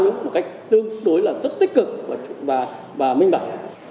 một cách tương đối là rất tích cực và minh bản